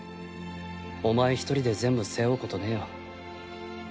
お前ひとりで全部背負うことねえよ。